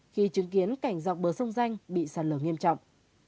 khi chứng kiến cảnh dọc bờ sông danh bị sạt lở nghiêm trọng